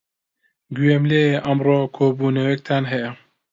گوێم لێیە ئەمڕۆ کۆبوونەوەیەکتان هەیە.